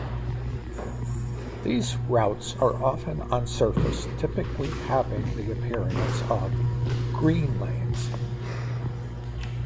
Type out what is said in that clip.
These routes are often unsurfaced, typically having the appearance of 'green lanes'.